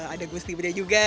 ada gusti bria juga